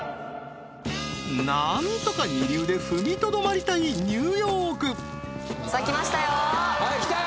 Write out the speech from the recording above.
なんとか二流で踏みとどまりたいニューヨークさあ来ましたよ